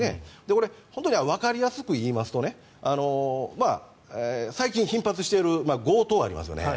これ、本当にわかりやすく言いますと最近頻発している強盗ありますよね。